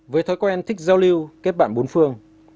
với thói quen thích giao lưu kết bạn bốn phương